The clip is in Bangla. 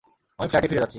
আমি ফ্ল্যাটে ফিরে যাচ্ছি।